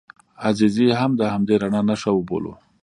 عزیزي هم د همدې رڼا نښه وبولو.